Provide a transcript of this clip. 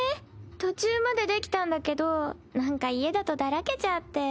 途中まで出来たんだけどなんか家だとだらけちゃって。